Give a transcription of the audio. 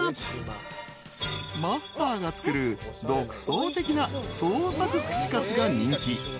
［マスターが作る独創的な創作串カツが人気］